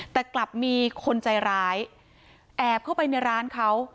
แต่กลับมีคนใจร้ายแอบเข้าไปในร้านเขา